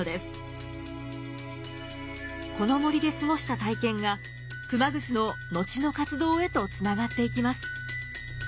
この森で過ごした体験が熊楠の後の活動へとつながっていきます。